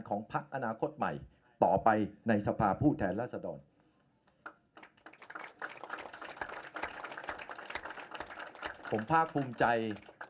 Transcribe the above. ของพักอนาคตใหม่ต่อไปในสภาพผู้แทนราษฎรผมภาคภูมิใจ